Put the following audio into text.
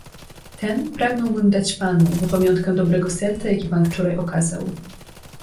"Ten pragnąłbym dać panu, na pamiątkę dobrego serca, jakie pan wczoraj okazał."